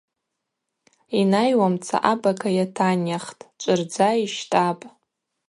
Йнайуамца абага йатанйахтӏ: чӏвырдза йщтӏапӏ.